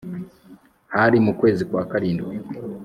hari mu kwezi kwa karindwi